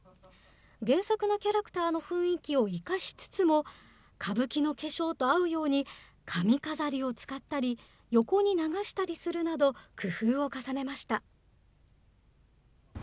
原作のキャラクターの雰囲気を生かしつつも、歌舞伎の化粧と合うように、髪飾りを使ったり、横に流したりするなど、工夫を重ねました。